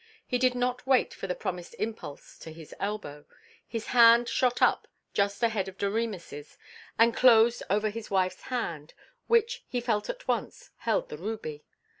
He did not wait for the promised impulse to his elbow; his hand shot up just ahead of Doremus's and closed over his wife's hand, which, he felt at once, held the ruby.